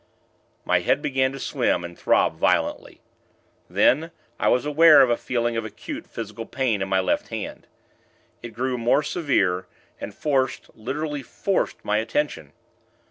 My head began to swim, and throb violently. Then, I was aware of a feeling of acute physical pain in my left hand. It grew more severe, and forced, literally forced, my attention.